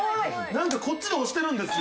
なんかこっちで押してるんですよ。